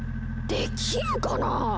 できるかな？